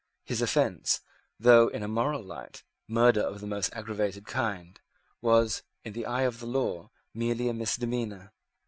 His offence, though, in a moral light, murder of the most aggravated kind, was, in the eye of the law, merely a misdemeanour.